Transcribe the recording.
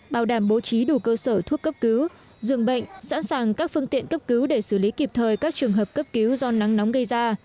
bảo đảm bố trí đủ cơ sở thuốc cấp cứu dường bệnh sẵn sàng các phương tiện cấp cứu để xử lý kịp thời các trường hợp cấp cứu do nắng nóng gây ra